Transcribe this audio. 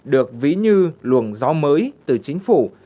được ví như luồng gió mới từ chính phủ